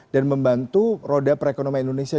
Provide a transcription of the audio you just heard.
dan membantu roda perekonomian indonesia